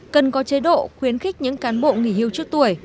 cần có chế độ khuyến khích những cán bộ nghỉ hưu trước tuổi